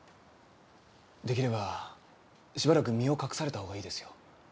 出来ればしばらく身を隠されたほうがいいですよ。